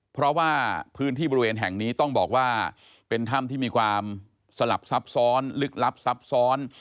เพราะว่าพื้นที่บริเวณแห่งนี้ต้องบอกว่าเป็นถ้ำที่มีความสลับซับซ้อนลึกลับซับซ้อน